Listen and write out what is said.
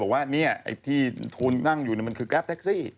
ว่าเนี่ยไอ้ที่ทูลนั่งอยู่มันคือแกรปแท็กซี่